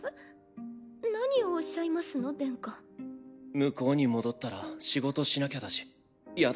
向こうに戻ったら仕事しなきゃだしやだ。